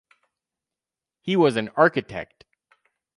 He was architect.